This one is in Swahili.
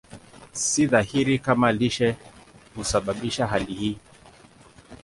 Si dhahiri kama lishe husababisha hali hii.